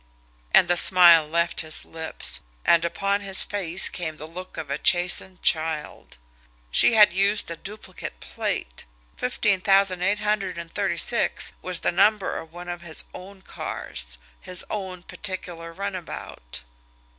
And the smile left his lips, and upon his face came the look of a chastened child. She had used a duplicate plate! Fifteen thousand eight hundred and thirty six was the number of one of his own cars his own particular runabout!